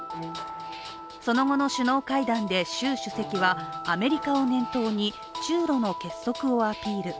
その後の首脳会談で習主席はアメリカを念頭に中ロの結束をアピール。